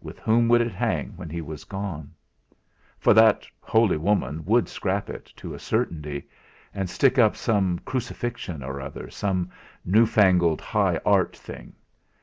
With whom would it hang when he was gone? For that holy woman would scrap it, to a certainty, and stick up some Crucifixion or other, some new fangled high art thing!